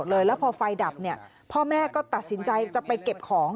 แล้วพอไฟดับเนี่ยพ่อแม่ก็ตัดสินใจจะไปเก็บของ